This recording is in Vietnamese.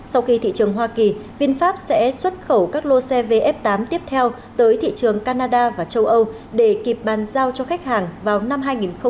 sau khi thị trường hoa kỳ vinfast sẽ xuất khẩu các lô xe vf tám tiếp theo tới thị trường canada và châu âu để kịp bàn giao cho khách hàng vào năm hai nghìn hai mươi